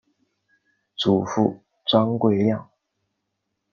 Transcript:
祖父张贵谅。